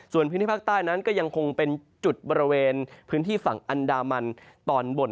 ส่วนพื้นที่ภาคใต้นั้นก็ยังคงเป็นจุดบริเวณพื้นที่ฝั่งอันดามันตอนบน